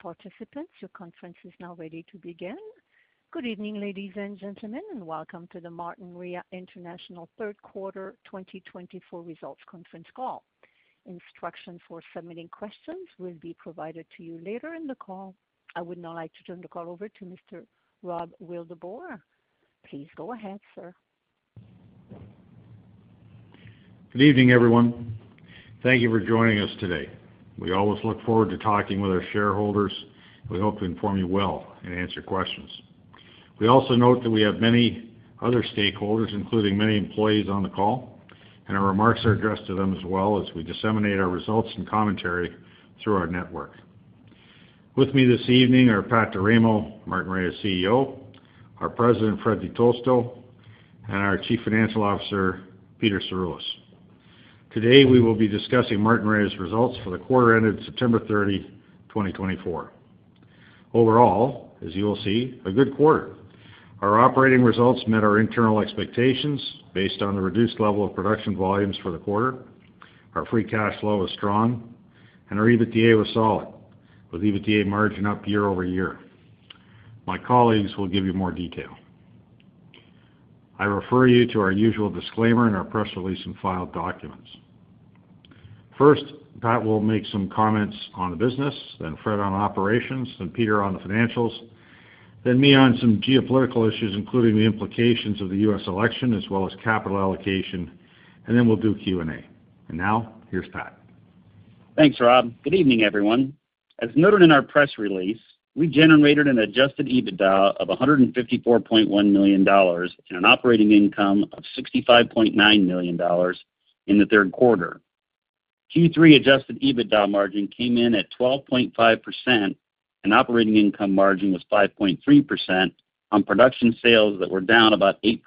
Participants, your conference is now ready to begin. Good evening, ladies and gentlemen, and welcome to the Martinrea International Third Quarter 2024 Results Conference Call. Instructions for submitting questions will be provided to you later in the call. I would now like to turn the call over to Mr. Rob Wildeboer. Please go ahead, sir. Good evening, everyone. Thank you for joining us today. We always look forward to talking with our shareholders. We hope to inform you well and answer questions. We also note that we have many other stakeholders, including many employees, on the call, and our remarks are addressed to them as well as we disseminate our results and commentary through our network. With me this evening are Pat D'Eramo, Martinrea's CEO, our President, Fred Di Tosto, and our Chief Financial Officer, Peter Cirulis. Today, we will be discussing Martinrea's results for the quarter ended September 30, 2024. Overall, as you will see, a good quarter. Our operating results met our internal expectations based on the reduced level of production volumes for the quarter. Our free cash flow was strong, and our EBITDA was solid, with EBITDA margin up year over year. My colleagues will give you more detail. I refer you to our usual disclaimer and our press release and filed documents. First, Pat will make some comments on the business, then Fred on operations, then Peter on the financials, then me on some geopolitical issues, including the implications of the U.S. election as well as capital allocation, and then we'll do Q&A. And now, here's Pat. Thanks, Rob. Good evening, everyone. As noted in our press release, we generated an adjusted EBITDA of 154.1 million dollars and an operating income of 65.9 million dollars in the third quarter. Q3 adjusted EBITDA margin came in at 12.5%, and operating income margin was 5.3% on production sales that were down about 8%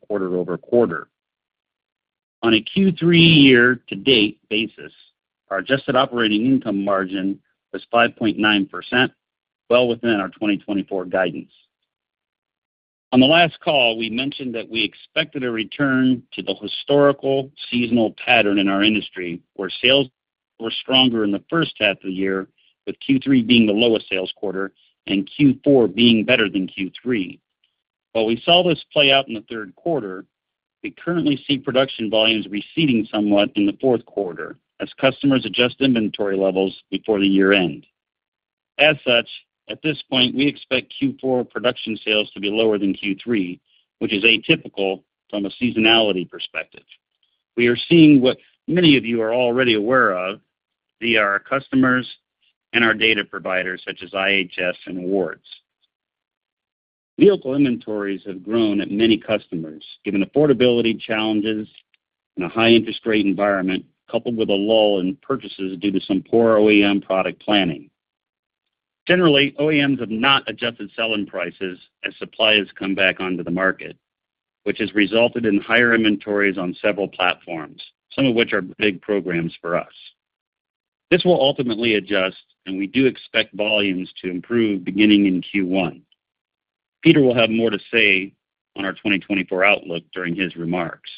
quarter over quarter. On a Q3 year-to-date basis, our adjusted operating income margin was 5.9%, well within our 2024 guidance. On the last call, we mentioned that we expected a return to the historical seasonal pattern in our industry, where sales were stronger in the first half of the year, with Q3 being the lowest sales quarter and Q4 being better than Q3. While we saw this play out in the third quarter, we currently see production volumes receding somewhat in the fourth quarter as customers adjust inventory levels before the year end. As such, at this point, we expect Q4 production sales to be lower than Q3, which is atypical from a seasonality perspective. We are seeing what many of you are already aware of via our customers and our data providers such as IHS and Wards. Vehicle inventories have grown at many customers, given affordability challenges in a high-interest rate environment, coupled with a lull in purchases due to some poor OEM product planning. Generally, OEMs have not adjusted selling prices as supply has come back onto the market, which has resulted in higher inventories on several platforms, some of which are big programs for us. This will ultimately adjust, and we do expect volumes to improve beginning in Q1. Peter will have more to say on our 2024 outlook during his remarks.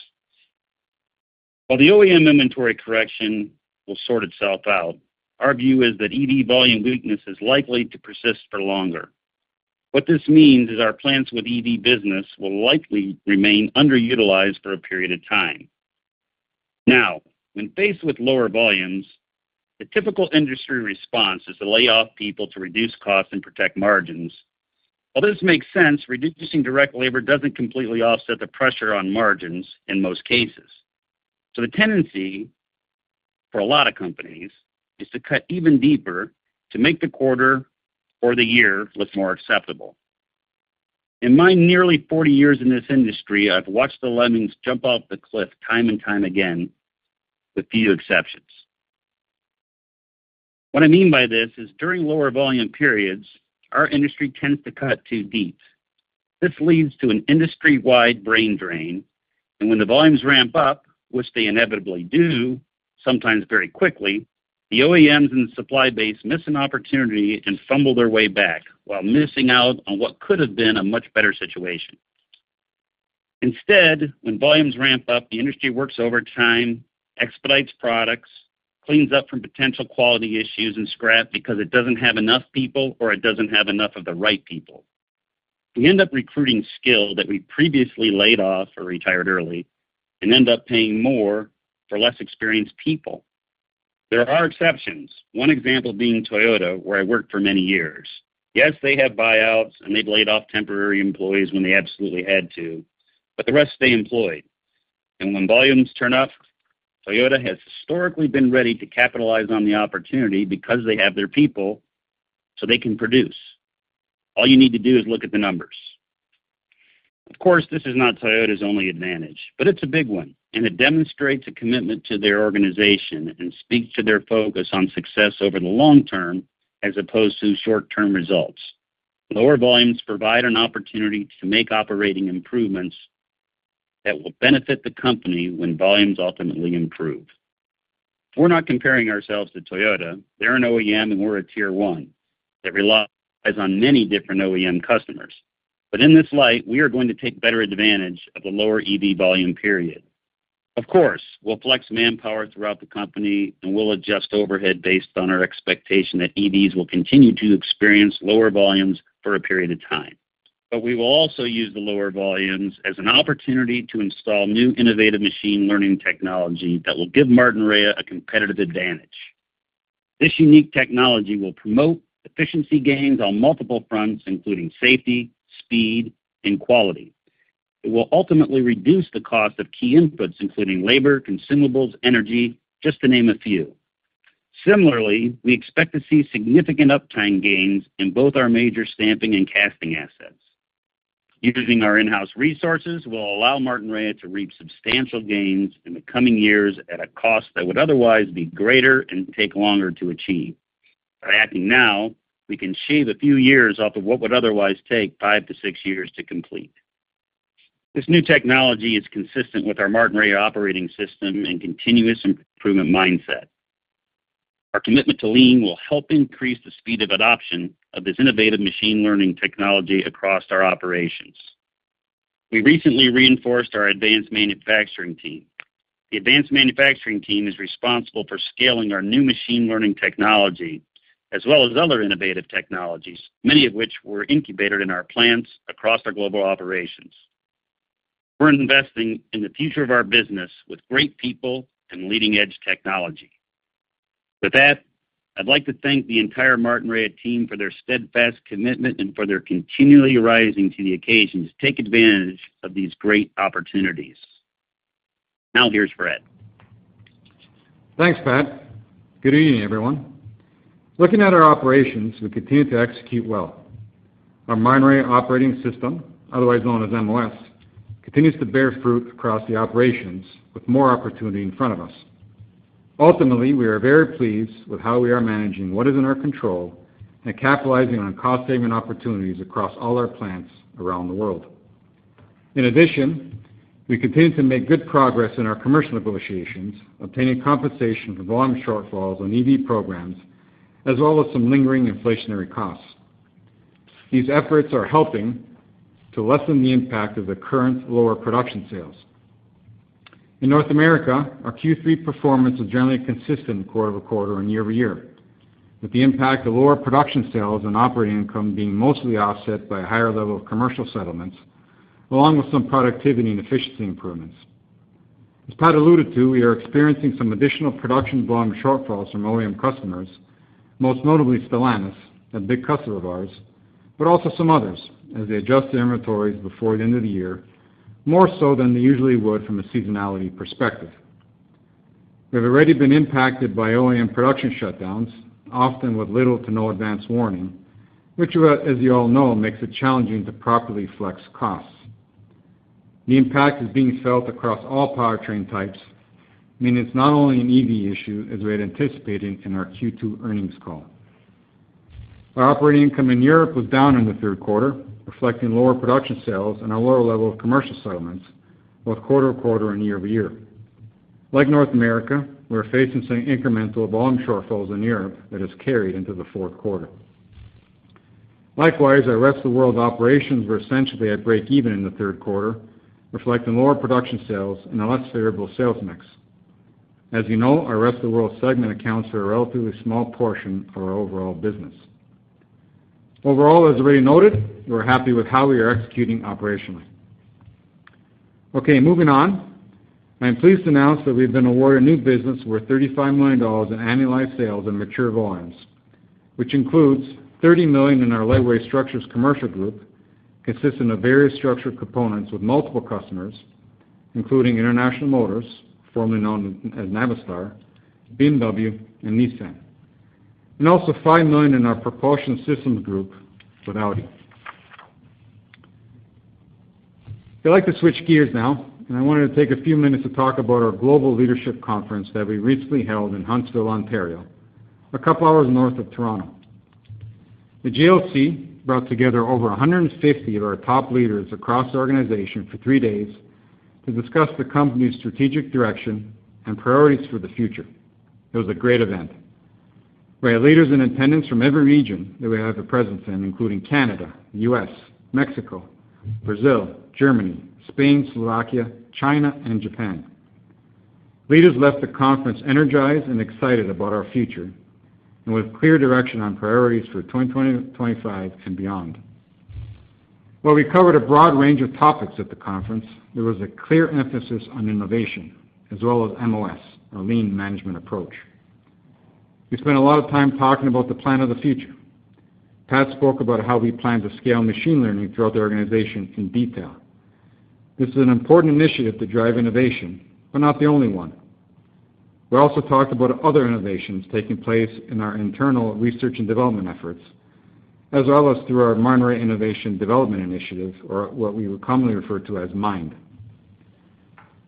While the OEM inventory correction will sort itself out, our view is that EV volume weakness is likely to persist for longer. What this means is our plants with EV business will likely remain underutilized for a period of time. Now, when faced with lower volumes, the typical industry response is to lay off people to reduce costs and protect margins. While this makes sense, reducing direct labor doesn't completely offset the pressure on margins in most cases. So the tendency for a lot of companies is to cut even deeper to make the quarter or the year look more acceptable. In my nearly 40 years in this industry, I've watched the lemmings jump off the cliff time and time again, with few exceptions. What I mean by this is during lower volume periods, our industry tends to cut too deep. This leads to an industry-wide brain drain, and when the volumes ramp up, which they inevitably do, sometimes very quickly, the OEMs in the supply base miss an opportunity and fumble their way back while missing out on what could have been a much better situation. Instead, when volumes ramp up, the industry works overtime, expedites products, cleans up from potential quality issues and scrap because it doesn't have enough people or it doesn't have enough of the right people. We end up recruiting skill that we previously laid off or retired early and end up paying more for less experienced people. There are exceptions, one example being Toyota, where I worked for many years. Yes, they have buyouts, and they've laid off temporary employees when they absolutely had to, but the rest stay employed. And when volumes turn up, Toyota has historically been ready to capitalize on the opportunity because they have their people so they can produce. All you need to do is look at the numbers. Of course, this is not Toyota's only advantage, but it's a big one, and it demonstrates a commitment to their organization and speaks to their focus on success over the long term as opposed to short-term results. Lower volumes provide an opportunity to make operating improvements that will benefit the company when volumes ultimately improve. We're not comparing ourselves to Toyota. They're an OEM, and we're a Tier One that relies on many different OEM customers. But in this light, we are going to take better advantage of the lower EV volume period. Of course, we'll flex manpower throughout the company, and we'll adjust overhead based on our expectation that EVs will continue to experience lower volumes for a period of time. But we will also use the lower volumes as an opportunity to install new innovative machine learning technology that will give Martinrea a competitive advantage. This unique technology will promote efficiency gains on multiple fronts, including safety, speed, and quality. It will ultimately reduce the cost of key inputs, including labor, consumables, energy, just to name a few. Similarly, we expect to see significant uptime gains in both our major stamping and casting assets. Using our in-house resources will allow Martinrea to reap substantial gains in the coming years at a cost that would otherwise be greater and take longer to achieve. By acting now, we can shave a few years off of what would otherwise take five to six years to complete. This new technology is consistent with our Martinrea Operating System and continuous improvement mindset. Our commitment to lean will help increase the speed of adoption of this innovative machine learning technology across our operations. We recently reinforced our advanced manufacturing team. The advanced manufacturing team is responsible for scaling our new machine learning technology as well as other innovative technologies, many of which were incubated in our plants across our global operations. We're investing in the future of our business with great people and leading-edge technology. With that, I'd like to thank the entire Martinrea team for their steadfast commitment and for their continually rising to the occasion to take advantage of these great opportunities. Now, here's Fred. Thanks, Pat. Good evening, everyone. Looking at our operations, we continue to execute well. Our Martinrea Operating System, otherwise known as MOS, continues to bear fruit across the operations with more opportunity in front of us. Ultimately, we are very pleased with how we are managing what is in our control and capitalizing on cost-saving opportunities across all our plants around the world. In addition, we continue to make good progress in our commercial negotiations, obtaining compensation for volume shortfalls on EV programs as well as some lingering inflationary costs. These efforts are helping to lessen the impact of the current lower production sales. In North America, our Q3 performance is generally consistent quarter over quarter and year over year, with the impact of lower production sales and operating income being mostly offset by a higher level of commercial settlements, along with some productivity and efficiency improvements. As Pat alluded to, we are experiencing some additional production volume shortfalls from OEM customers, most notably Stellantis, a big customer of ours, but also some others as they adjust their inventories before the end of the year, more so than they usually would from a seasonality perspective. We have already been impacted by OEM production shutdowns, often with little to no advance warning, which, as you all know, makes it challenging to properly flex costs. The impact is being felt across all powertrain types, meaning it's not only an EV issue as we had anticipated in our Q2 earnings call. Our operating income in Europe was down in the third quarter, reflecting lower production sales and a lower level of commercial settlements both quarter over quarter and year over year. Like North America, we are facing some incremental volume shortfalls in Europe that have carried into the fourth quarter. Likewise, our rest of the world operations were essentially at break-even in the third quarter, reflecting lower production sales and a less favorable sales mix. As you know, our rest of the world segment accounts for a relatively small portion of our overall business. Overall, as already noted, we're happy with how we are executing operationally. Okay, moving on, I am pleased to announce that we've been awarded a new business worth $35 million in annualized sales and mature volumes, which includes $30 million in our Lightweight Structures commercial group consisting of various structural components with multiple customers, including International Motors, formerly known as Navistar, BMW, and Nissan, and also $5 million in our Propulsion Systems group with Audi. I'd like to switch gears now, and I wanted to take a few minutes to talk about our Global Leadership Conference that we recently held in Huntsville, Ontario, a couple hours north of Toronto. The GLC brought together over 150 of our top leaders across the organization for three days to discuss the company's strategic direction and priorities for the future. It was a great event. We had leaders in attendance from every region that we have a presence in, including Canada, the U.S., Mexico, Brazil, Germany, Spain, Slovakia, China, and Japan. Leaders left the conference energized and excited about our future and with clear direction on priorities for 2025 and beyond. While we covered a broad range of topics at the conference, there was a clear emphasis on innovation as well as MOS, our lean management approach. We spent a lot of time talking about the plan of the future. Pat spoke about how we plan to scale machine learning throughout the organization in detail. This is an important initiative to drive innovation, but not the only one. We also talked about other innovations taking place in our internal research and development efforts as well as through our Martinrea Innovation Development Initiative, or what we would commonly refer to as MIND.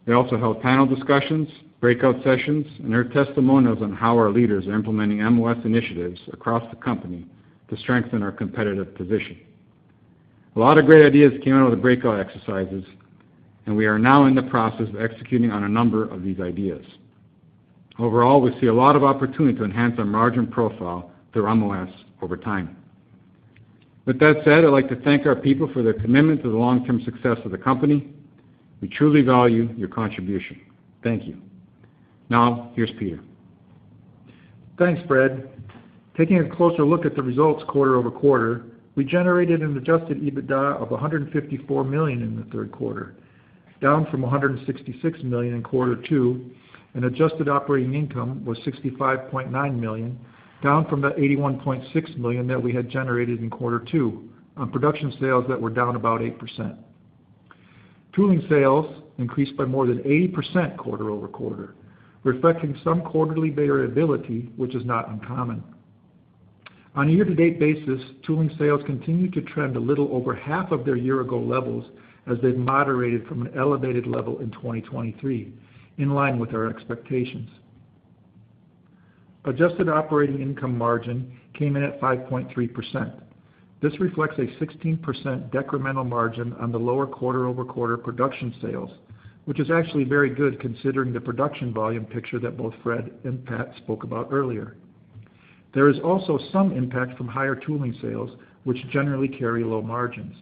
We also held panel discussions, breakout sessions, and heard testimonials on how our leaders are implementing MOS initiatives across the company to strengthen our competitive position. A lot of great ideas came out of the breakout exercises, and we are now in the process of executing on a number of these ideas. Overall, we see a lot of opportunity to enhance our margin profile through MOS over time. With that said, I'd like to thank our people for their commitment to the long-term success of the company. We truly value your contribution. Thank you. Now, here's Peter. Thanks, Fred. Taking a closer look at the results quarter over quarter, we generated an adjusted EBITDA of $154 million in the third quarter, down from $166 million in quarter two, and adjusted operating income was $65.9 million, down from the $81.6 million that we had generated in quarter two on production sales that were down about 8%. Tooling sales increased by more than 80% quarter over quarter, reflecting some quarterly variability, which is not uncommon. On a year-to-date basis, tooling sales continue to trend a little over half of their year-ago levels as they've moderated from an elevated level in 2023, in line with our expectations. Adjusted operating income margin came in at 5.3%. This reflects a 16% decremental margin on the lower quarter over quarter production sales, which is actually very good considering the production volume picture that both Fred and Pat spoke about earlier. There is also some impact from higher tooling sales, which generally carry low margins.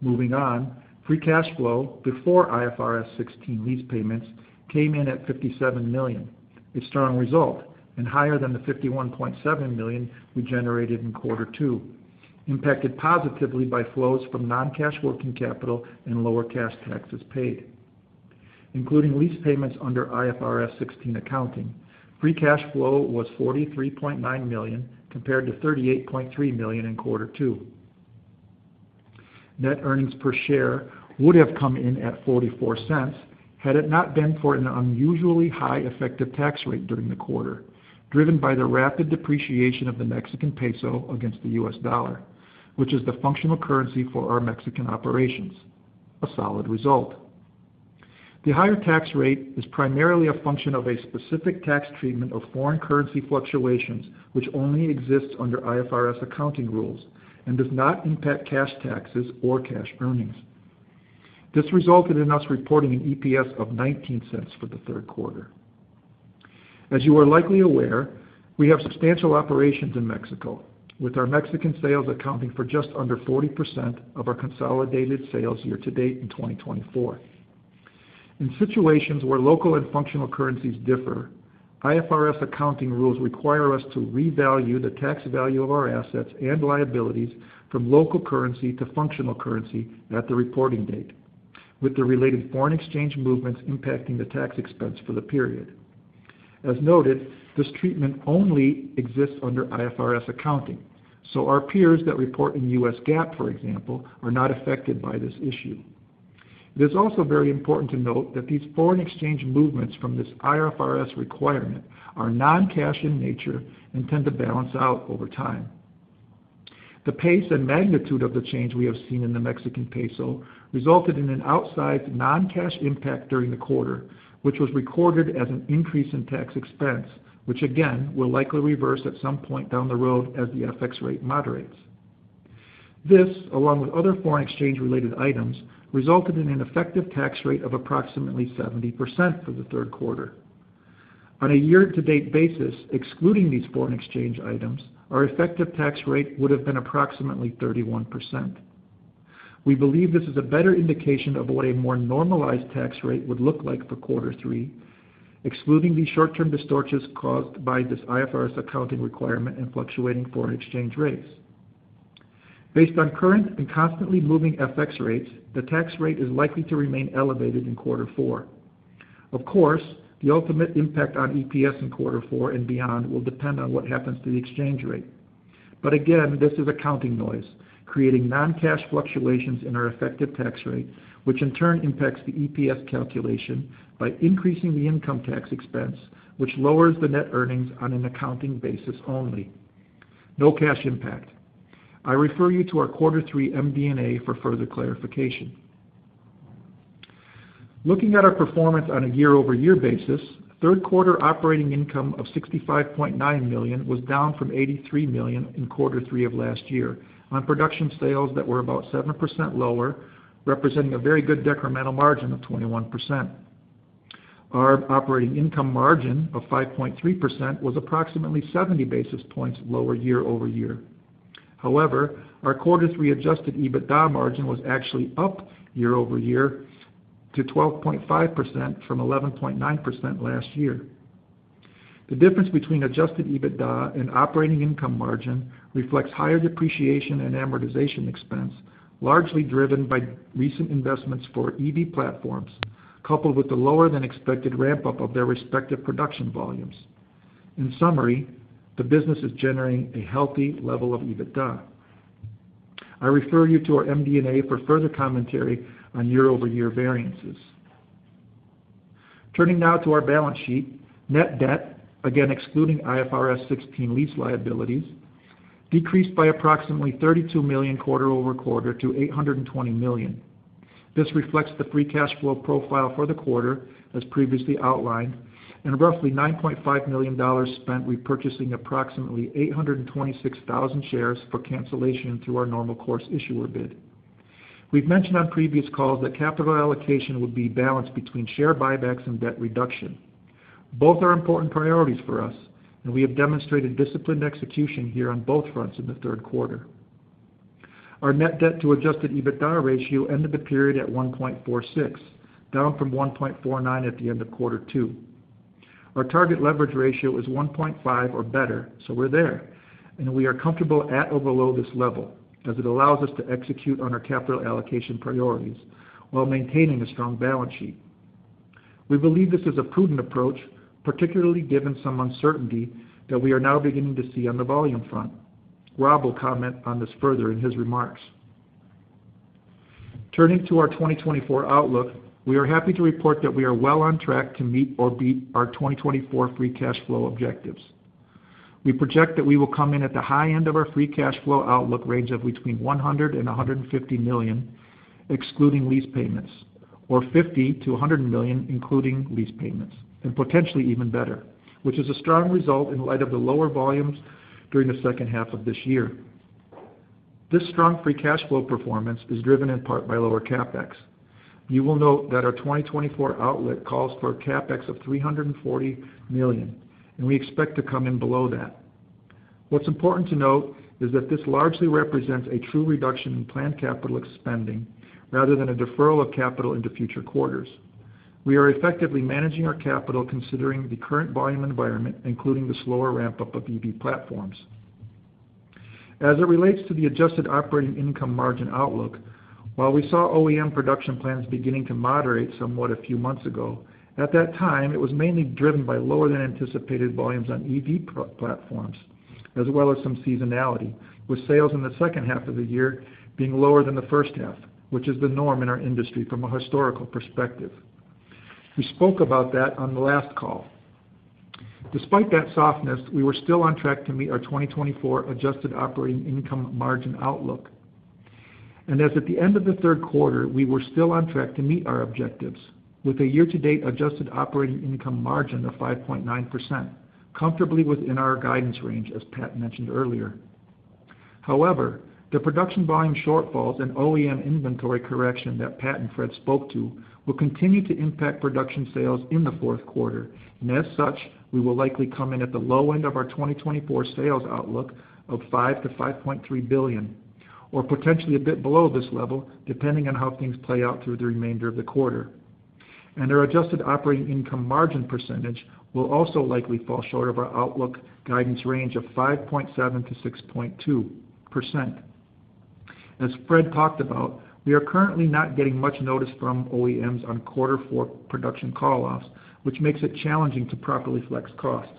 Moving on, free cash flow before IFRS 16 lease payments came in at 57 million, a strong result and higher than the 51.7 million we generated in quarter two, impacted positively by flows from non-cash working capital and lower cash taxes paid. Including lease payments under IFRS 16 accounting, free cash flow was 43.9 million compared to 38.3 million in quarter two. Net earnings per share would have come in at 0.44 had it not been for an unusually high effective tax rate during the quarter, driven by the rapid depreciation of the Mexican peso against the U.S. dollar, which is the functional currency for our Mexican operations. A solid result. The higher tax rate is primarily a function of a specific tax treatment of foreign currency fluctuations, which only exists under IFRS accounting rules and does not impact cash taxes or cash earnings. This resulted in us reporting an EPS of $0.19 for the third quarter. As you are likely aware, we have substantial operations in Mexico, with our Mexican sales accounting for just under 40% of our consolidated sales year-to-date in 2024. In situations where local and functional currencies differ, IFRS accounting rules require us to revalue the tax value of our assets and liabilities from local currency to functional currency at the reporting date, with the related foreign exchange movements impacting the tax expense for the period. As noted, this treatment only exists under IFRS accounting, so our peers that report in U.S. GAAP, for example, are not affected by this issue. It is also very important to note that these foreign exchange movements from this IFRS requirement are non-cash in nature and tend to balance out over time. The pace and magnitude of the change we have seen in the Mexican peso resulted in an outsized non-cash impact during the quarter, which was recorded as an increase in tax expense, which again will likely reverse at some point down the road as the FX rate moderates. This, along with other foreign exchange-related items, resulted in an effective tax rate of approximately 70% for the third quarter. On a year-to-date basis, excluding these foreign exchange items, our effective tax rate would have been approximately 31%. We believe this is a better indication of what a more normalized tax rate would look like for quarter three, excluding the short-term distortions caused by this IFRS accounting requirement and fluctuating foreign exchange rates. Based on current and constantly moving FX rates, the tax rate is likely to remain elevated in quarter four. Of course, the ultimate impact on EPS in quarter four and beyond will depend on what happens to the exchange rate. But again, this is accounting noise, creating non-cash fluctuations in our effective tax rate, which in turn impacts the EPS calculation by increasing the income tax expense, which lowers the net earnings on an accounting basis only. No cash impact. I refer you to our quarter three MD&A for further clarification. Looking at our performance on a year-over-year basis, third quarter operating income of 65.9 million was down from 83 million in quarter three of last year on production sales that were about 7% lower, representing a very good decremental margin of 21%. Our operating income margin of 5.3% was approximately 70 basis points lower year-over-year. However, our quarter three adjusted EBITDA margin was actually up year-over-year to 12.5% from 11.9% last year. The difference between adjusted EBITDA and operating income margin reflects higher depreciation and amortization expense, largely driven by recent investments for EV platforms, coupled with the lower-than-expected ramp-up of their respective production volumes. In summary, the business is generating a healthy level of EBITDA. I refer you to our MD&A for further commentary on year-over-year variances. Turning now to our balance sheet, net debt, again excluding IFRS 16 lease liabilities, decreased by approximately 32 million quarter over quarter to 820 million. This reflects the free cash flow profile for the quarter, as previously outlined, and roughly 9.5 million dollars spent repurchasing approximately 826,000 shares for cancellation through our normal course issuer bid. We've mentioned on previous calls that capital allocation would be balanced between share buybacks and debt reduction. Both are important priorities for us, and we have demonstrated disciplined execution here on both fronts in the third quarter. Our net debt to adjusted EBITDA ratio ended the period at 1.46, down from 1.49 at the end of quarter two. Our target leverage ratio is 1.5 or better, so we're there, and we are comfortable at or below this level as it allows us to execute on our capital allocation priorities while maintaining a strong balance sheet. We believe this is a prudent approach, particularly given some uncertainty that we are now beginning to see on the volume front. Rob will comment on this further in his remarks. Turning to our 2024 outlook, we are happy to report that we are well on track to meet or beat our 2024 Free Cash Flow objectives. We project that we will come in at the high end of our free cash flow outlook range of between $100 and $150 million, excluding lease payments, or $50-$100 million, including lease payments, and potentially even better, which is a strong result in light of the lower volumes during the second half of this year. This strong free cash flow performance is driven in part by lower CapEx. You will note that our 2024 outlook calls for a CapEx of $340 million, and we expect to come in below that. What's important to note is that this largely represents a true reduction in planned capital expenditures rather than a deferral of capital into future quarters. We are effectively managing our capital considering the current volume environment, including the slower ramp-up of EV platforms. As it relates to the adjusted operating income margin outlook, while we saw OEM production plans beginning to moderate somewhat a few months ago, at that time, it was mainly driven by lower-than-anticipated volumes on EV platforms, as well as some seasonality, with sales in the second half of the year being lower than the first half, which is the norm in our industry from a historical perspective. We spoke about that on the last call. Despite that softness, we were still on track to meet our 2024 adjusted operating income margin outlook. And as at the end of the third quarter, we were still on track to meet our objectives, with a year-to-date adjusted operating income margin of 5.9%, comfortably within our guidance range, as Pat mentioned earlier. However, the production volume shortfalls and OEM inventory correction that Pat and Fred spoke to will continue to impact production sales in the fourth quarter, and as such, we will likely come in at the low end of our 2024 sales outlook of $5-$5.3 billion, or potentially a bit below this level, depending on how things play out through the remainder of the quarter. And our adjusted operating income margin percentage will also likely fall short of our outlook guidance range of 5.7%-6.2%. As Fred talked about, we are currently not getting much notice from OEMs on quarter four production call-offs, which makes it challenging to properly flex costs.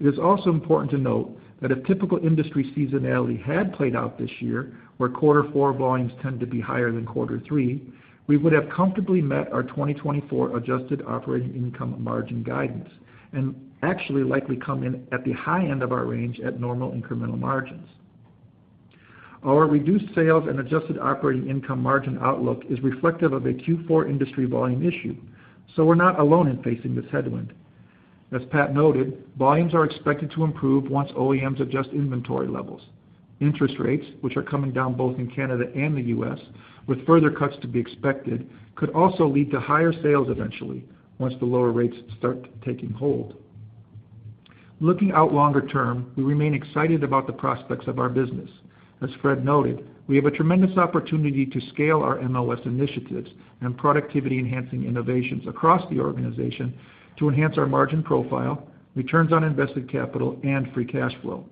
It is also important to note that if typical industry seasonality had played out this year, where quarter four volumes tend to be higher than quarter three, we would have comfortably met our 2024 adjusted operating income margin guidance and actually likely come in at the high end of our range at normal incremental margins. Our reduced sales and adjusted operating income margin outlook is reflective of a Q4 industry volume issue, so we're not alone in facing this headwind. As Pat noted, volumes are expected to improve once OEMs adjust inventory levels. Interest rates, which are coming down both in Canada and the U.S., with further cuts to be expected, could also lead to higher sales eventually once the lower rates start taking hold. Looking out longer term, we remain excited about the prospects of our business. As Fred noted, we have a tremendous opportunity to scale our MOS initiatives and productivity-enhancing innovations across the organization to enhance our margin profile, returns on invested capital, and free cash flow.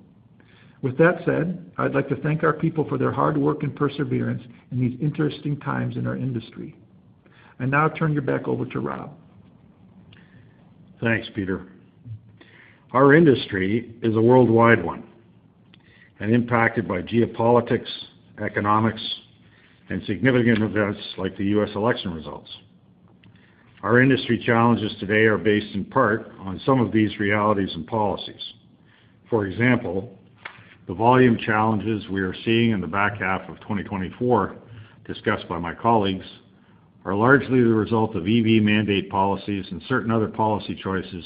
With that said, I'd like to thank our people for their hard work and perseverance in these interesting times in our industry. I now turn it back over to Rob. Thanks, Peter. Our industry is a worldwide one and impacted by geopolitics, economics, and significant events like the U.S. election results. Our industry challenges today are based in part on some of these realities and policies. For example, the volume challenges we are seeing in the back half of 2024, discussed by my colleagues, are largely the result of EV mandate policies and certain other policy choices,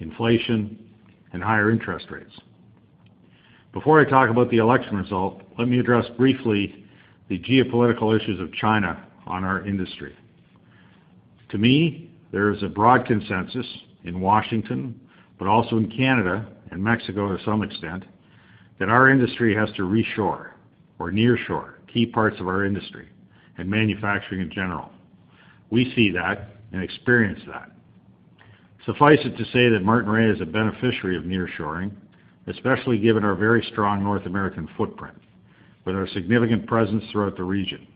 inflation, and higher interest rates. Before I talk about the election result, let me address briefly the geopolitical issues of China on our industry. To me, there is a broad consensus in Washington, but also in Canada and Mexico to some extent, that our industry has to reshore, or near-shore, key parts of our industry and manufacturing in general. We see that and experience that. Suffice it to say that Martinrea is a beneficiary of near-shoring, especially given our very strong North American footprint, with our significant presence throughout the region.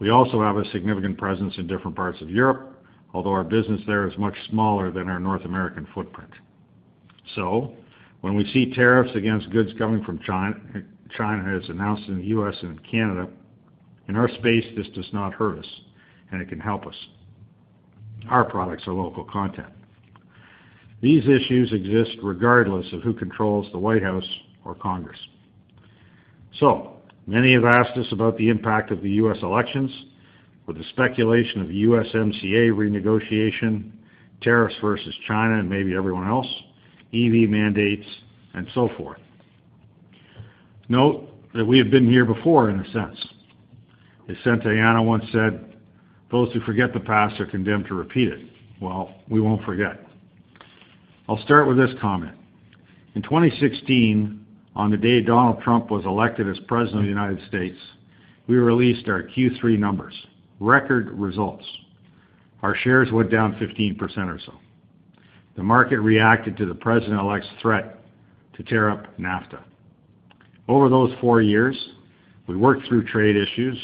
We also have a significant presence in different parts of Europe, although our business there is much smaller than our North American footprint. So when we see tariffs against goods coming from China as announced in the U.S. and Canada, in our space, this does not hurt us, and it can help us. Our products are local content. These issues exist regardless of who controls the White House or Congress. So many have asked us about the impact of the U.S. elections, with the speculation of USMCA renegotiation, tariffs versus China and maybe everyone else, EV mandates, and so forth. Note that we have been here before in a sense. As Santayana once said, "Those who forget the past are condemned to repeat it." Well, we won't forget. I'll start with this comment. In 2016, on the day Donald Trump was elected as president of the United States, we released our Q3 numbers, record results. Our shares went down 15% or so. The market reacted to the president-elect's threat to tear up NAFTA. Over those four years, we worked through trade issues,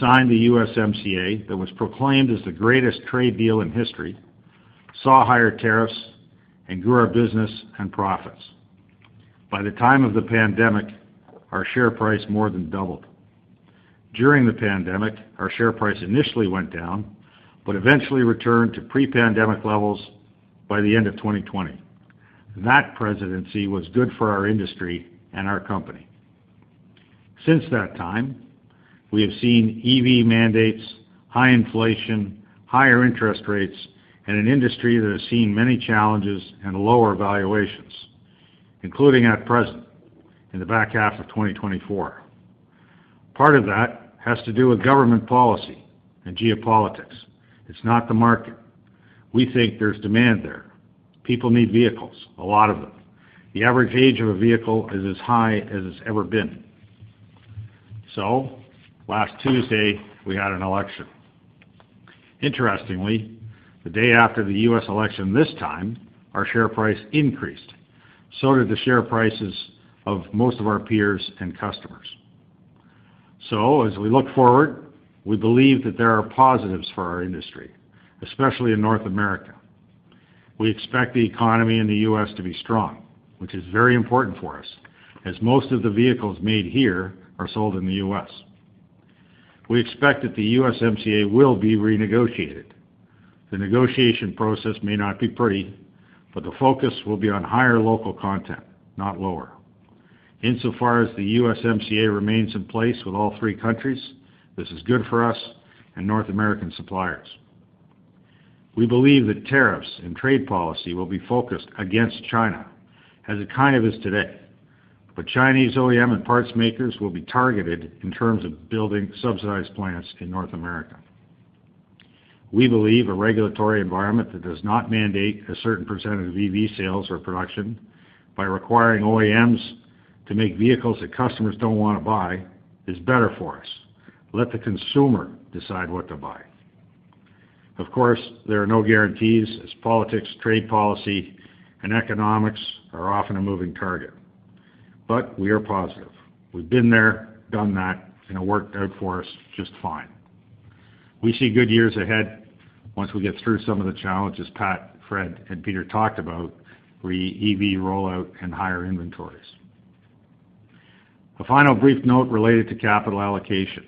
signed the USMCA that was proclaimed as the greatest trade deal in history, saw higher tariffs, and grew our business and profits. By the time of the pandemic, our share price more than doubled. During the pandemic, our share price initially went down, but eventually returned to pre-pandemic levels by the end of 2020. That presidency was good for our industry and our company. Since that time, we have seen EV mandates, high inflation, higher interest rates, and an industry that has seen many challenges and lower valuations, including at present, in the back half of 2024. Part of that has to do with government policy and geopolitics. It's not the market. We think there's demand there. People need vehicles, a lot of them. The average age of a vehicle is as high as it's ever been. So last Tuesday, we had an election. Interestingly, the day after the U.S. election this time, our share price increased. So did the share prices of most of our peers and customers. So as we look forward, we believe that there are positives for our industry, especially in North America. We expect the economy in the U.S. to be strong, which is very important for us, as most of the vehicles made here are sold in the U.S. We expect that the USMCA will be renegotiated. The negotiation process may not be pretty, but the focus will be on higher local content, not lower. Insofar as the USMCA remains in place with all three countries, this is good for us and North American suppliers. We believe that tariffs and trade policy will be focused against China, as it kind of is today, but Chinese OEM and parts makers will be targeted in terms of building subsidized plants in North America. We believe a regulatory environment that does not mandate a certain percentage of EV sales or production by requiring OEMs to make vehicles that customers don't want to buy is better for us. Let the consumer decide what to buy. Of course, there are no guarantees as politics, trade policy, and economics are often a moving target. But we are positive. We've been there, done that, and it worked out for us just fine. We see good years ahead once we get through some of the challenges Pat, Fred, and Peter talked about with the EV rollout and higher inventories. A final brief note related to capital allocation.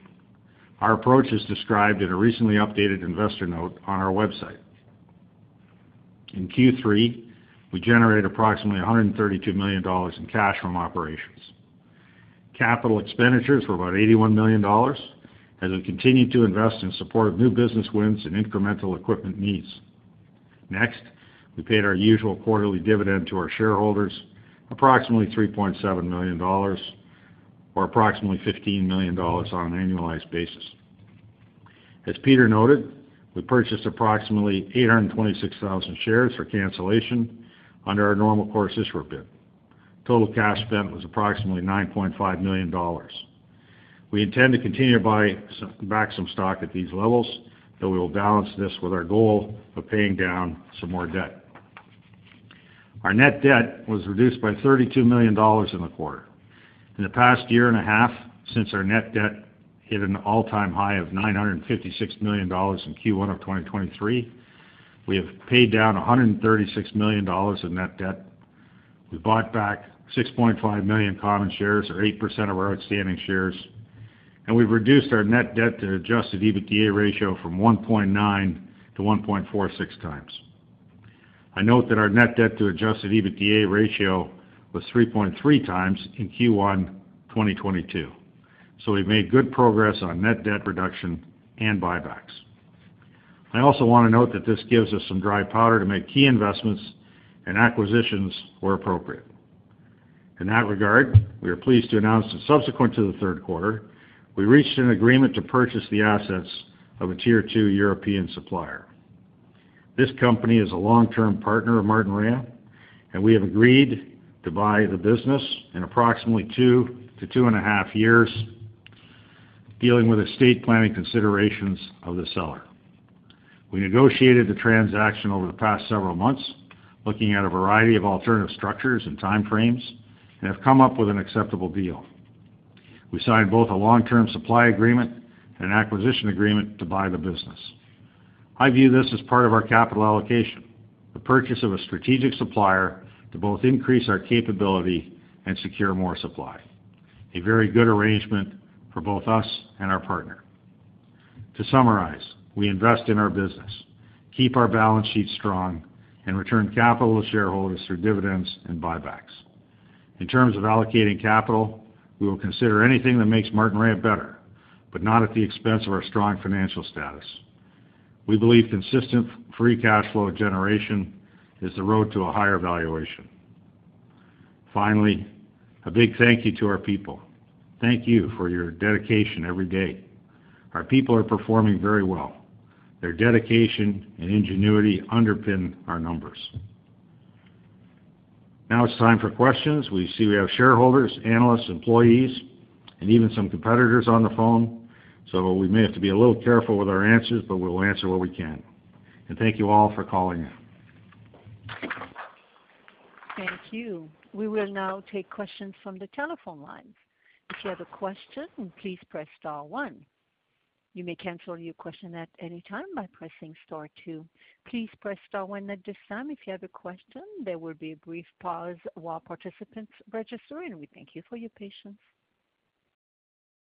Our approach is described in a recently updated investor note on our website. In Q3, we generated approximately $132 million in cash from operations. Capital expenditures were about $81 million as we continued to invest in support of new business wins and incremental equipment needs. Next, we paid our usual quarterly dividend to our shareholders, approximately $3.7 million, or approximately $15 million on an annualized basis. As Peter noted, we purchased approximately 826,000 shares for cancellation under our normal course issuer bid. Total cash spent was approximately 9.5 million dollars. We intend to continue to buy back some stock at these levels, though we will balance this with our goal of paying down some more debt. Our net debt was reduced by 32 million dollars in the quarter. In the past year and a half, since our net debt hit an all-time high of 956 million dollars in Q1 of 2023, we have paid down 136 million dollars of net debt. We bought back 6.5 million common shares, or 8% of our outstanding shares, and we've reduced our net debt to adjusted EBITDA ratio from 1.9 to 1.46 times. I note that our net debt to adjusted EBITDA ratio was 3.3 times in Q1 2022. So we've made good progress on net debt reduction and buybacks. I also want to note that this gives us some dry powder to make key investments and acquisitions where appropriate. In that regard, we are pleased to announce that subsequent to the third quarter, we reached an agreement to purchase the assets of a Tier Two European supplier. This company is a long-term partner of Martinrea, and we have agreed to buy the business in approximately two to two and a half years, dealing with estate planning considerations of the seller. We negotiated the transaction over the past several months, looking at a variety of alternative structures and time frames, and have come up with an acceptable deal. We signed both a long-term supply agreement and an acquisition agreement to buy the business. I view this as part of our capital allocation, the purchase of a strategic supplier to both increase our capability and secure more supply. A very good arrangement for both us and our partner. To summarize, we invest in our business, keep our balance sheet strong, and return capital to shareholders through dividends and buybacks. In terms of allocating capital, we will consider anything that makes Martinrea better, but not at the expense of our strong financial status. We believe consistent free cash flow generation is the road to a higher valuation. Finally, a big thank you to our people. Thank you for your dedication every day. Our people are performing very well. Their dedication and ingenuity underpin our numbers. Now it's time for questions. We see we have shareholders, analysts, employees, and even some competitors on the phone, so we may have to be a little careful with our answers, but we will answer what we can. And thank you all for calling in. Thank you. We will now take questions from the telephone line. If you have a question, please press star one. You may cancel your question at any time by pressing star two. Please press star one at this time. If you have a question, there will be a brief pause while participants register, and we thank you for your patience.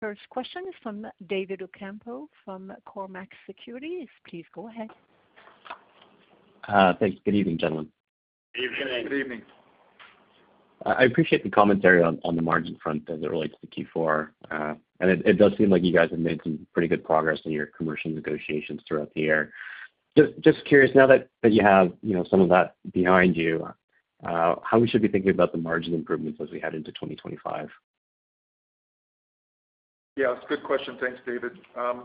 First question is from David Ocampo from Cormark Securities. Please go ahead. Thanks. Good evening, gentlemen. Good evening. Good evening. I appreciate the commentary on the margin front as it relates to Q4. And it does seem like you guys have made some pretty good progress in your commercial negotiations throughout the year. Just curious, now that you have some of that behind you, how we should be thinking about the margin improvements as we head into 2025? Yeah, that's a good question. Thanks, David.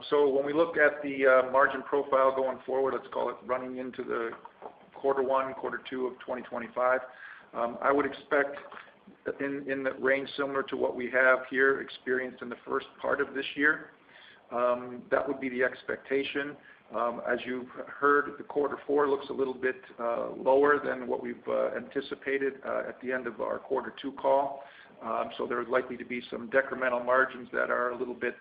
So when we look at the margin profile going forward, let's call it running into the quarter one, quarter two of 2025, I would expect in the range similar to what we have here experienced in the first part of this year, that would be the expectation. As you've heard, the quarter four looks a little bit lower than what we've anticipated at the end of our quarter two call. So there would likely to be some decremental margins that are a little bit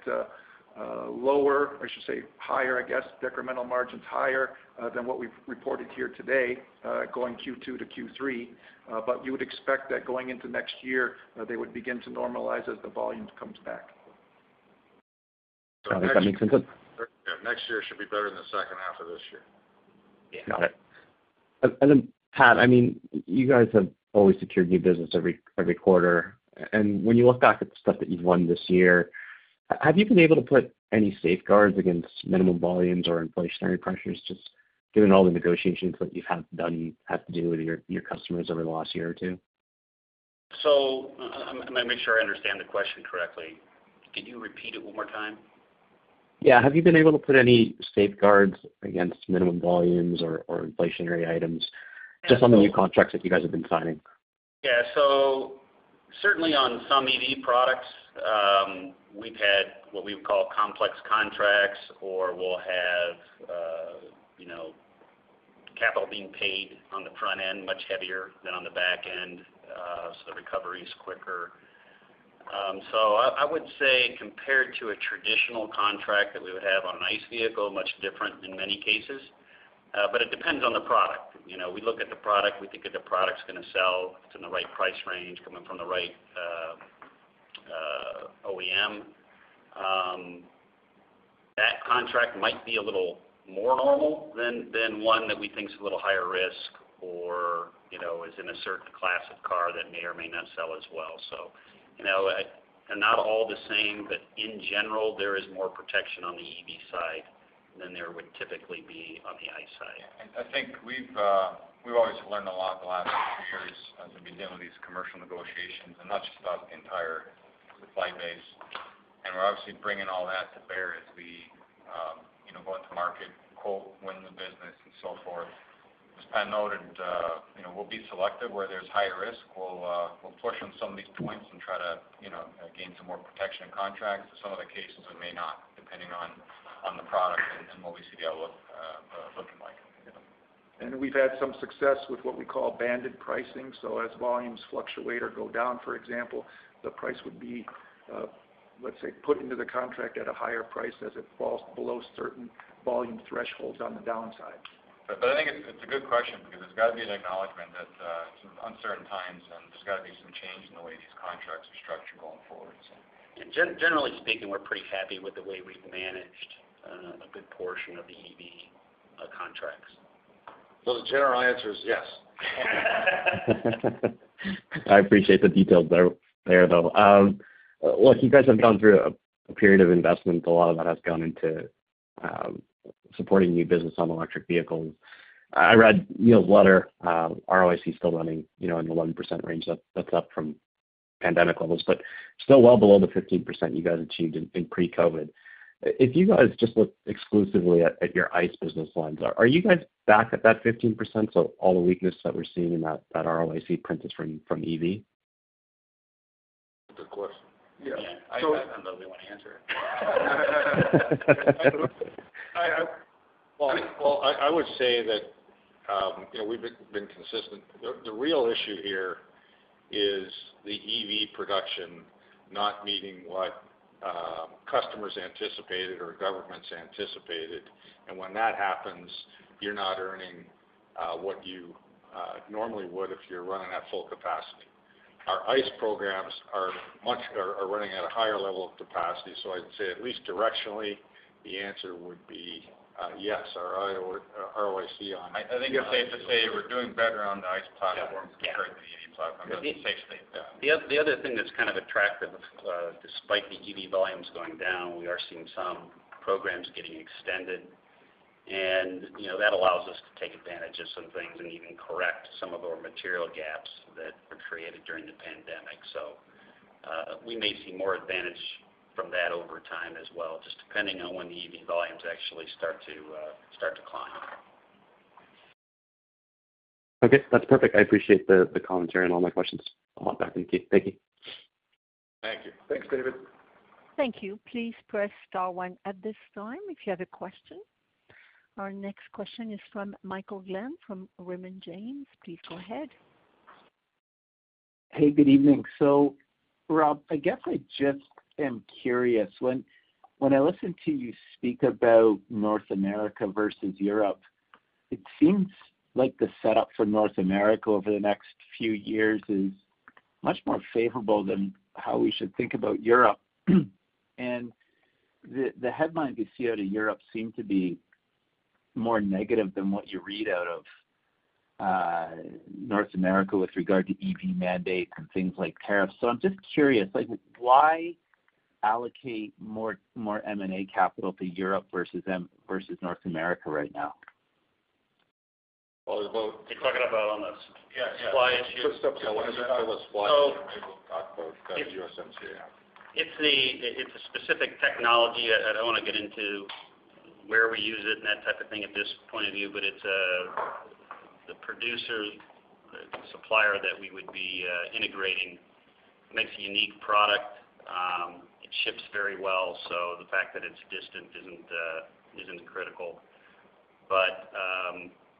lower, or I should say higher, I guess, decremental margins higher than what we've reported here today going Q2 to Q3. But you would expect that going into next year, they would begin to normalize as the volume comes back. Sounds like that makes sense. Yeah, next year should be better than the second half of this year. Yeah. Got it. And then, Pat, I mean, you guys have always secured new business every quarter. And when you look back at the stuff that you've won this year, have you been able to put any safeguards against minimum volumes or inflationary pressures, just given all the negotiations that you've had to do with your customers over the last year or two? So I'm going to make sure I understand the question correctly. Can you repeat it one more time? Yeah. Have you been able to put any safeguards against minimum volumes or inflationary items, just on the new contracts that you guys have been signing? Yeah. So certainly on some EV products, we've had what we would call complex contracts, or we'll have capital being paid on the front end much heavier than on the back end, so the recovery is quicker. So I would say compared to a traditional contract that we would have on an ICE vehicle, much different in many cases. But it depends on the product. We look at the product. We think if the product's going to sell, if it's in the right price range coming from the right OEM, that contract might be a little more normal than one that we think is a little higher risk or is in a certain class of car that may or may not sell as well. So they're not all the same, but in general, there is more protection on the EV side than there would typically be on the ICE side. Yeah. And I think we've always learned a lot the last few years as we've been dealing with these commercial negotiations, and not just about the entire supply base. And we're obviously bringing all that to bear as we go into market, quote, win the business, and so forth. As Pat noted, we'll be selective where there's higher risk. We'll push on some of these points and try to gain some more protection in contracts. In some of the cases, we may not, depending on the product and what we see the outlook looking like. And we've had some success with what we call banded pricing. So as volumes fluctuate or go down, for example, the price would be, let's say, put into the contract at a higher price as it falls below certain volume thresholds on the downside. But I think it's a good question because there's got to be an acknowledgment that in uncertain times, there's got to be some change in the way these contracts are structured going forward, so. Generally speaking, we're pretty happy with the way we've managed a good portion of the EV contracts. So the general answer is yes. I appreciate the details there, though. Look, you guys have gone through a period of investment. A lot of that has gone into supporting new business on electric vehicles. I read the newsletter. ROIC is still running in the 1% range. That's up from pandemic levels, but still well below the 15% you guys achieved in pre-COVID. If you guys just look exclusively at your ICE business lines, are you guys back at that 15%? So all the weakness that we're seeing in that ROIC print is from EV? Good question. Yeah. Yeah. I guess I'm the only one to answer it. Well, I would say that we've been consistent. The real issue here is the EV production not meeting what customers anticipated or governments anticipated. And when that happens, you're not earning what you normally would if you're running at full capacity. Our ICE programs are running at a higher level of capacity. So I'd say at least directionally, the answer would be yes, our ROIC. I think it's safe to say we're doing better on the ICE platform compared to the EV platform. That's a safe statement. The other thing that's kind of attractive, despite the EV volumes going down, we are seeing some programs getting extended, and that allows us to take advantage of some things and even correct some of our material gaps that were created during the pandemic, so we may see more advantage from that over time as well, just depending on when the EV volumes actually start to climb. Okay. That's perfect. I appreciate the commentary and all my questions. I'll hop back in with you. Thank you. Thank you. Thanks, David. Thank you. Please press star one at this time if you have a question. Our next question is from Michael Glen from Raymond James. Please go ahead. Hey, good evening. So Rob, I guess I just am curious. When I listen to you speak about North America versus Europe, it seems like the setup for North America over the next few years is much more favorable than how we should think about Europe. And the headlines you see out of Europe seem to be more negative than what you read out of North America with regard to EV mandates and things like tariffs. So I'm just curious, why allocate more M&A capital to Europe versus North America right now? You're talking about on the supply issue. Yeah. Put stuff to the window. What is it? What supply issue are you talking about? It's a specific technology. I don't want to get into where we use it and that type of thing at this point of view, but it's the producer, the supplier that we would be integrating. It makes a unique product. It ships very well. So the fact that it's distant isn't critical. But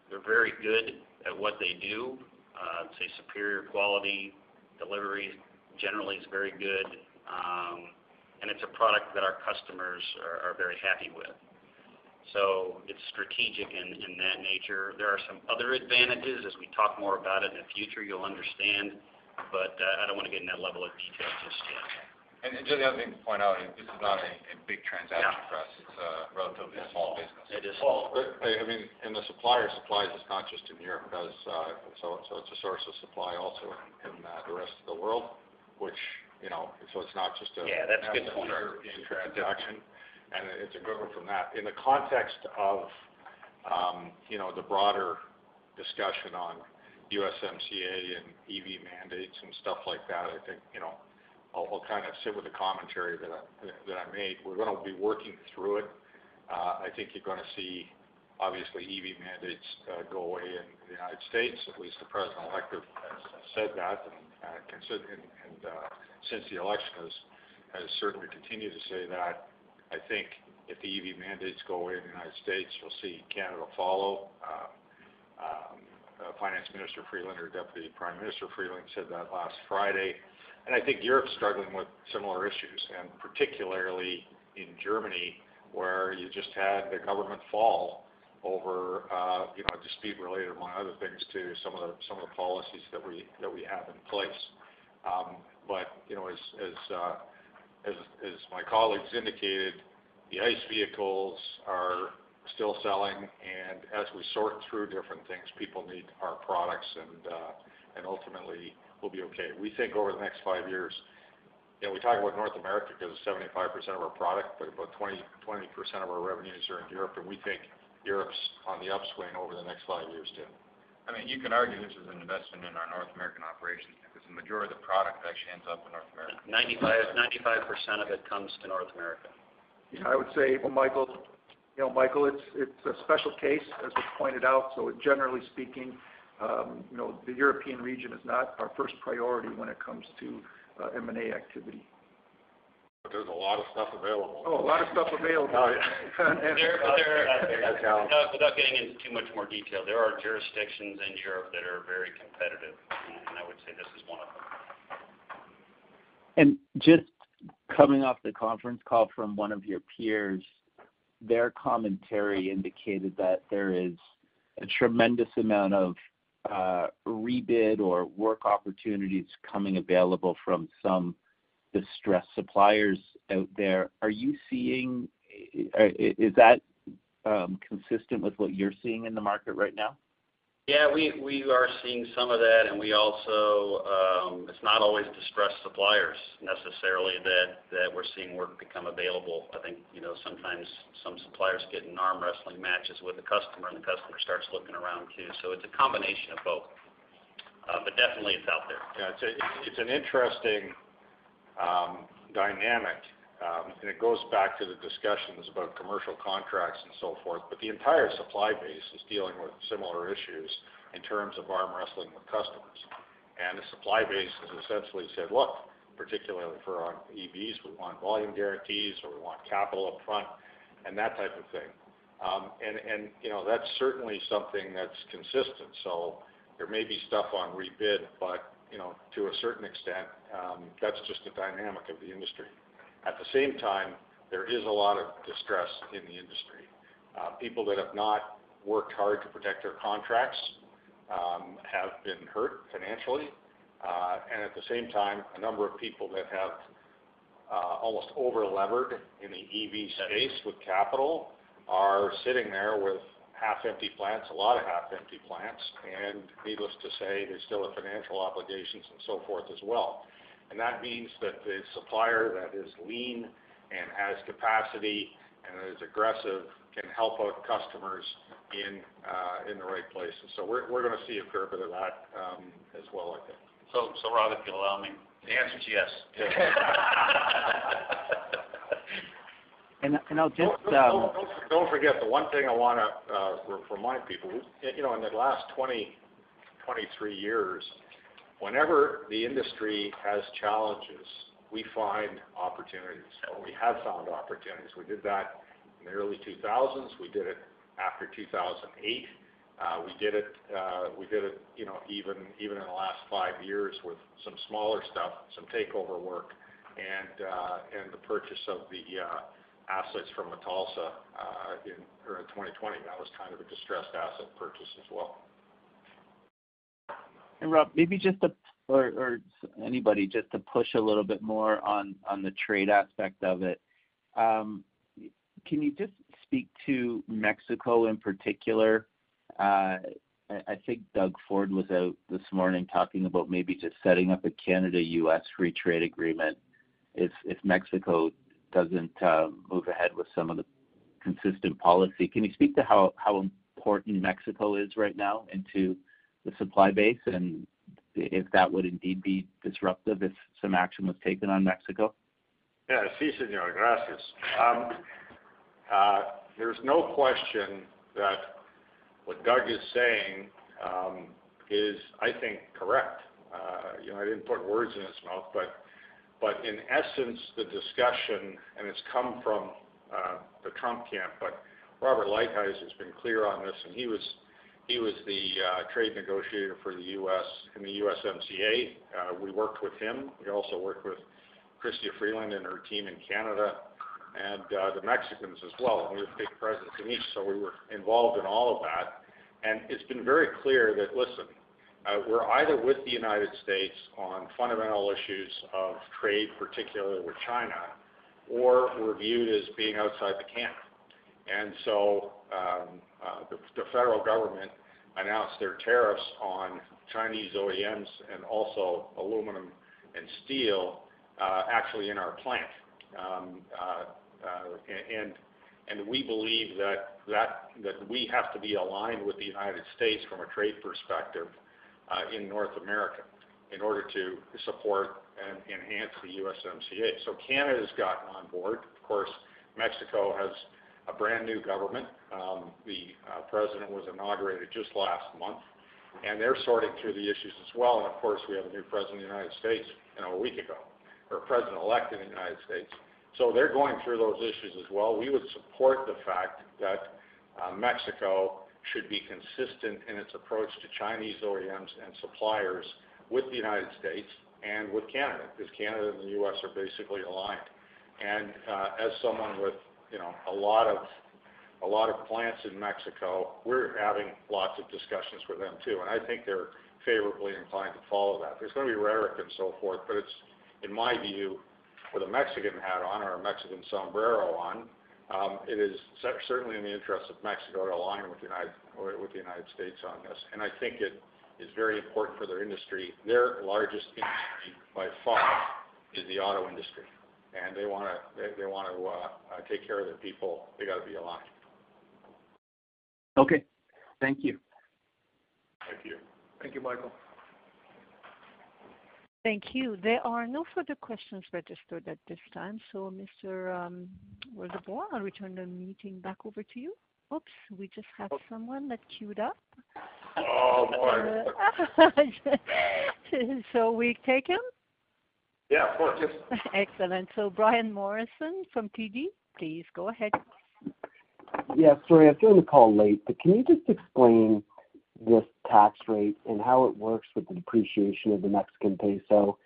they're very good at what they do. I'd say superior quality. Delivery generally is very good. And it's a product that our customers are very happy with. So it's strategic in that nature. There are some other advantages. As we talk more about it in the future, you'll understand. But I don't want to get into that level of detail just yet. And just the other thing to point out is this is not a big transaction for us. It's a relatively small business. It is. I mean, the suppliers supply is not just in Europe, so it's a source of supply also in the rest of the world, which it's not just a. Yeah, that's a good point. Indirect transaction, and it's a good word for that. In the context of the broader discussion on USMCA and EV mandates and stuff like that, I think I'll kind of sit with the commentary that I made. We're going to be working through it. I think you're going to see, obviously, EV mandates go away in the United States. At least the president-elect has said that, and since the election has certainly continued to say that. I think if the EV mandates go away in the United States, you'll see Canada follow. Finance Minister Freeland, or Deputy Prime Minister Freeland, said that last Friday. And I think Europe's struggling with similar issues, and particularly in Germany, where you just had the government fall over a dispute related, among other things, to some of the policies that we have in place. But as my colleagues indicated, the ICE vehicles are still selling. And as we sort through different things, people need our products. And ultimately, we'll be okay. We think over the next five years we talk about North America because 75% of our product, but about 20% of our revenues are in Europe. And we think Europe's on the upswing over the next five years too. I mean, you can argue this is an investment in our North American operations because the majority of the product actually ends up in North America. 95% of it comes to North America. Yeah, I would say, well, Michael, it's a special case, as was pointed out. So generally speaking, the European region is not our first priority when it comes to M&A activity. But there's a lot of stuff available. Oh, a lot of stuff available. Without getting into too much more detail, there are jurisdictions in Europe that are very competitive. And I would say this is one of them. Just coming off the conference call from one of your peers, their commentary indicated that there is a tremendous amount of rebid or work opportunities coming available from some distressed suppliers out there. Are you seeing is that consistent with what you're seeing in the market right now? Yeah, we are seeing some of that. And it's not always distressed suppliers necessarily that we're seeing work become available. I think sometimes some suppliers get in arm wrestling matches with the customer, and the customer starts looking around too. So it's a combination of both. But definitely, it's out there. Yeah. It's an interesting dynamic. And it goes back to the discussions about commercial contracts and so forth. But the entire supply base is dealing with similar issues in terms of arm wrestling with customers. And the supply base has essentially said, "Look, particularly for our EVs, we want volume guarantees, or we want capital upfront," and that type of thing. And that's certainly something that's consistent. So there may be stuff on rebid, but to a certain extent, that's just the dynamic of the industry. At the same time, there is a lot of distress in the industry. People that have not worked hard to protect their contracts have been hurt financially. And at the same time, a number of people that have almost over-levered in the EV space with capital are sitting there with half-empty plants, a lot of half-empty plants. Needless to say, there's still financial obligations and so forth as well. That means that the supplier that is lean and has capacity and is aggressive can help out customers in the right place. We're going to see a fair bit of that as well, I think. So Rob, if you'll allow me. The answer is yes. I'll just. Don't forget, the one thing I want to remind people, in the last 20-23 years, whenever the industry has challenges, we find opportunities. We have found opportunities. We did that in the early 2000s. We did it after 2008. We did it even in the last five years with some smaller stuff, some takeover work, and the purchase of the assets from Metalsa in 2020. That was kind of a distressed asset purchase as well. Rob, maybe just to or anybody, just to push a little bit more on the trade aspect of it, can you just speak to Mexico in particular? I think Doug Ford was out this morning talking about maybe just setting up a Canada-US free trade agreement if Mexico doesn't move ahead with some of the consistent policy. Can you speak to how important Mexico is right now into the supply base and if that would indeed be disruptive if some action was taken on Mexico? Yeah. Si si gracias. There's no question that what Doug is saying is, I think, correct. I didn't put words in his mouth. But in essence, the discussion and it's come from the Trump camp but Robert Lighthizer has been clear on this. And he was the trade negotiator for the U.S. and the USMCA. We worked with him. We also worked with Chrystia Freeland and her team in Canada and the Mexicans as well. And we were vice presidents in each. So we were involved in all of that. And it's been very clear that, "Listen, we're either with the United States on fundamental issues of trade, particularly with China, or we're viewed as being outside the camp." And so the federal government announced their tariffs on Chinese OEMs and also aluminum and steel, actually in our plant. We believe that we have to be aligned with the United States from a trade perspective in North America in order to support and enhance the USMCA. So Canada's gotten on board. Of course, Mexico has a brand new government. The president was inaugurated just last month. They're sorting through the issues as well. Of course, we have a new president of the United States a week ago or a president-elect in the United States. So they're going through those issues as well. We would support the fact that Mexico should be consistent in its approach to Chinese OEMs and suppliers with the United States and with Canada because Canada and the U.S. are basically aligned. As someone with a lot of plants in Mexico, we're having lots of discussions with them too. I think they're favorably inclined to follow that. There's going to be rhetoric and so forth, but in my view, with a Mexican hat on or a Mexican sombrero on, it is certainly in the interest of Mexico to align with the United States on this, and I think it is very important for their industry. Their largest industry by far is the auto industry, and they want to take care of their people. They got to be aligned. Okay. Thank you. Thank you. Thank you, Michael. Thank you. There are no further questions registered at this time. So Mr. Wildeboer, I'll return the meeting back over to you. Oops. We just had someone that queued up. Oh, boy. We take him? Yeah, of course. Excellent. So Brian Morrison from TD Securities, please go ahead. Yeah. Sorry, I'm doing the call late. But can you just explain this tax rate and how it works with the depreciation of the Mexican peso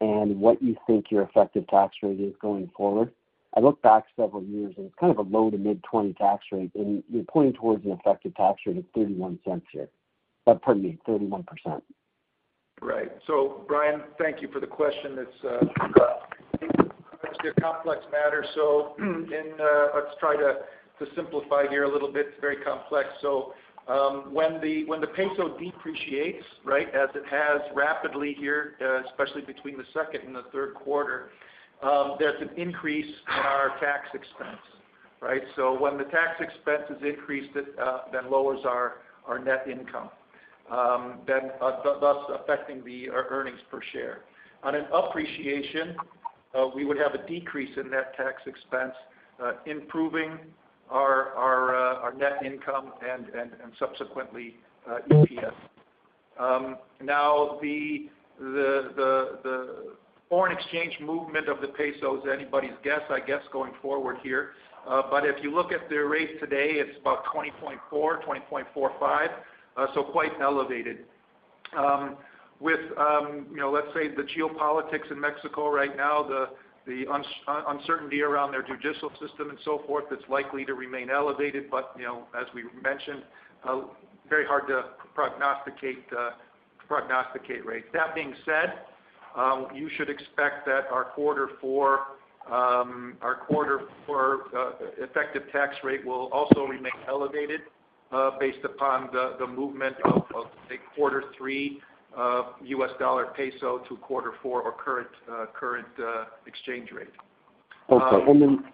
and what you think your effective tax rate is going forward? I look back several years, and it's kind of a low to mid-20% tax rate. And you're pointing towards an effective tax rate of 31 cents here. Pardon me, 31%. Right. So Brian, thank you for the question. It's a complex matter. So let's try to simplify here a little bit. It's very complex. So when the peso depreciates, right, as it has rapidly here, especially between the second and the third quarter, there's an increase in our tax expense, right? So when the tax expense is increased, it then lowers our net income, thus affecting the earnings per share. On an appreciation, we would have a decrease in that tax expense, improving our net income and subsequently EPS. Now, the foreign exchange movement of the peso is anybody's guess, I guess, going forward here. But if you look at the rate today, it's about 20.4, 20.45, so quite elevated. With, let's say, the geopolitics in Mexico right now, the uncertainty around their judicial system and so forth, it's likely to remain elevated. But as we mentioned, very hard to prognosticate rates. That being said, you should expect that our quarter four effective tax rate will also remain elevated based upon the movement of quarter three U.S. dollar-peso to quarter four or current exchange rate. Okay.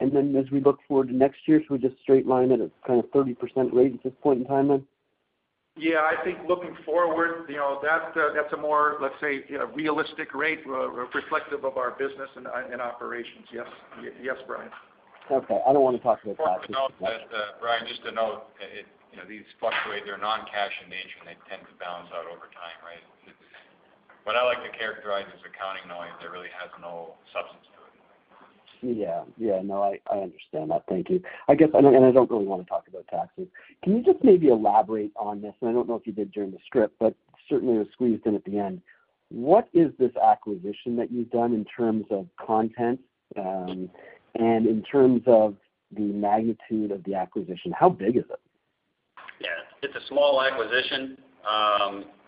And then as we look forward to next year, should we just straight line at a kind of 30% rate at this point in time, then? Yeah. I think looking forward, that's a more, let's say, realistic rate reflective of our business and operations. Yes. Yes, Brian. Okay. I don't want to talk about that. That's not that. Brian, just to note, these fluctuate. They're non-cash in nature, and they tend to bounce out over time, right? What I like to characterize as accounting noise. There really has no substance to it. Yeah. Yeah. No, I understand that. Thank you. And I don't really want to talk about taxes. Can you just maybe elaborate on this? And I don't know if you did during the script, but certainly it was squeezed in at the end. What is this acquisition that you've done in terms of content and in terms of the magnitude of the acquisition? How big is it? Yeah. It's a small acquisition.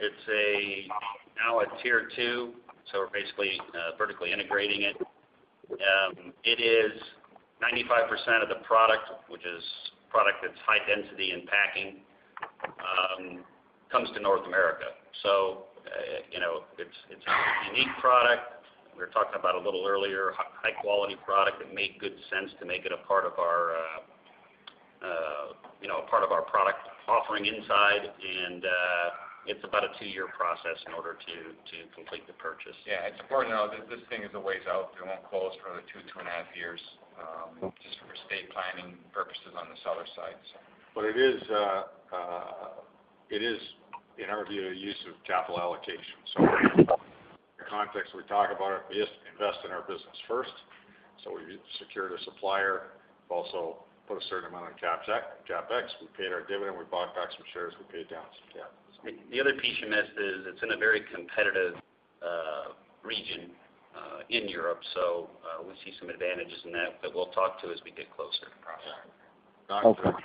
It's now a Tier Two. So we're basically vertically integrating it. It is 95% of the product, which is product that's high density in packing, comes to North America. So it's a unique product. We were talking about it a little earlier, high-quality product that made good sense to make it a part of our product offering inside. And it's about a two-year process in order to complete the purchase. Yeah. It's important to know that this thing is a ways out. It won't close for another two to two and a half years just for estate planning purposes on the seller side, so. But it is, in our view, a use of capital allocation. So in the context, we talk about it. We just invest in our business first. So we secure the supplier. We also put a certain amount on CapEx. We paid our dividend. We bought back some shares. We paid down some capital. The other piece you missed is it's in a very competitive region in Europe, so we see some advantages in that, but we'll talk to it as we get closer. Yeah. Not a problem.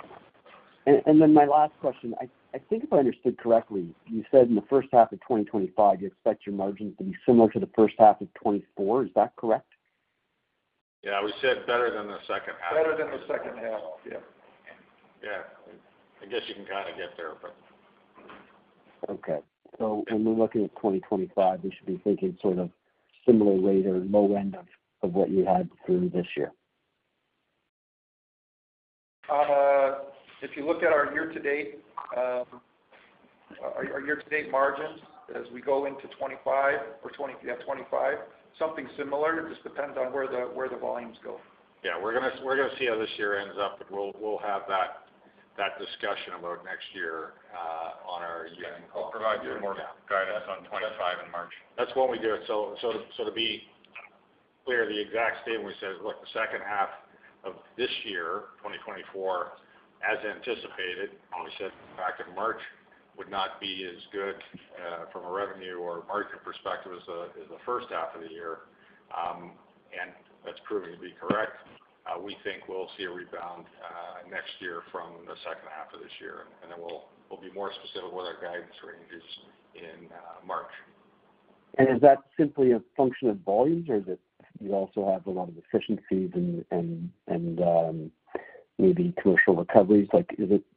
And then my last question. I think if I understood correctly, you said in the first half of 2025, you expect your margins to be similar to the first half of 2024. Is that correct? Yeah. We said better than the second half. Better than the second half. Yeah. Yeah. I guess you can kind of get there, but. Okay, so when we're looking at 2025, we should be thinking sort of similar rate or low end of what you had through this year. If you look at our year-to-date margins as we go into 2025 or 2025, something similar. It just depends on where the volumes go. Yeah. We're going to see how this year ends up. But we'll have that discussion about next year on our year-to-date call. I'll provide you more guidance on 2025 and March. That's when we do it. So to be clear, the exact statement we said is, "Look, the second half of this year, 2024, as anticipated," we said back in March, "would not be as good from a revenue or margin perspective as the first half of the year." And that's proving to be correct. We think we'll see a rebound next year from the second half of this year. And then we'll be more specific with our guidance ranges in March. Is that simply a function of volumes, or do you also have a lot of efficiencies and maybe commercial recoveries?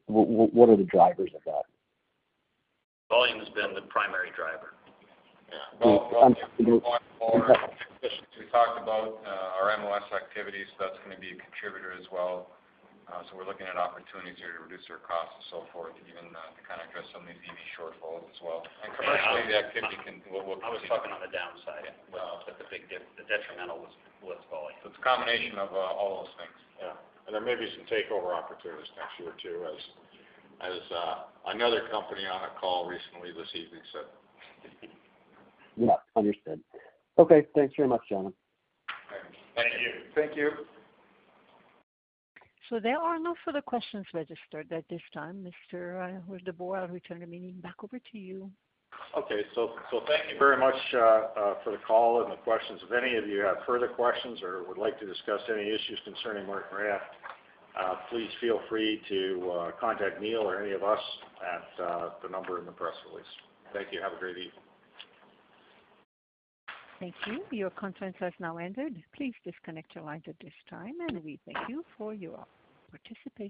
What are the drivers of that? Volume has been the primary driver. Yeah. We talked about our MOS activities. That's going to be a contributor as well. So we're looking at opportunities here to reduce our costs and so forth, even to kind of address some of these EV shortfalls as well. And commercially, the activity, and we'll continue. I was talking on the downside. But the decremental was volume. So it's a combination of all those things. Yeah, and there may be some takeover opportunities next year too, as another company on a call recently this evening said. Yeah. Understood. Okay. Thanks very much, John. Thank you. Thank you. So there are no further questions registered at this time. Mr. Wildeboer, I'll return the meeting back over to you. Okay. So thank you very much for the call and the questions. If any of you have further questions or would like to discuss any issues concerning Martinrea, please feel free to contact Neil or any of us at the number in the press release. Thank you. Have a great evening. Thank you. Your conference has now ended. Please disconnect your lines at this time. And we thank you for your participation.